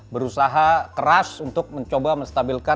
berusaha keras untuk mencoba menstabilkan